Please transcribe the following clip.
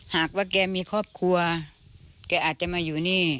หากว่าแกมีครอบครัวแกอาจจะมาอยู่นี่